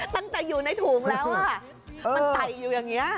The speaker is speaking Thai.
ตั้งแต่อยู่ในถุงแล้วมันไต่อยู่อย่างนี้